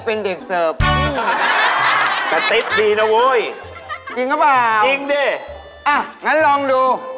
เป็นเด็กเสิร์ฟเหรอบ